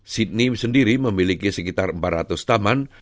sydney sendiri memiliki sekitar empat ratus taman